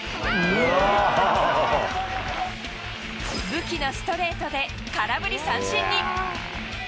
武器のストレートで空振り三振に。